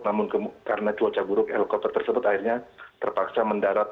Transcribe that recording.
namun karena cuaca buruk helikopter tersebut akhirnya terpaksa mendarat